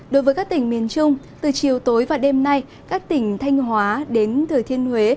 đối với các tỉnh miền trung từ chiều tối và đêm nay các tỉnh thanh hóa đến thừa thiên huế